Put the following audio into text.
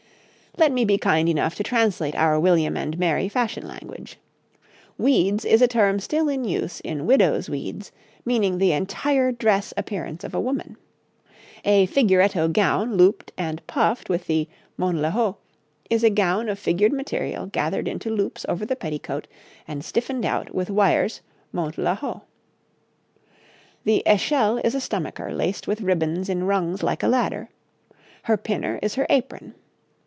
Let me be kind enough to translate our William and Mary fashion language. 'Weeds' is a term still in use in 'widow's weeds,' meaning the entire dress appearance of a woman. A 'figuretto gown looped and puffed with the monte la haut' is a gown of figured material gathered into loops over the petticoat and stiffened out with wires 'monte la haut.' The 'échelle' is a stomacher laced with ribbons in rungs like a ladder. Her 'pinner' is her apron.